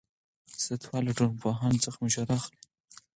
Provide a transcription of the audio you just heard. سیاستوال له ټولنپوهانو څخه مشوره اخلي.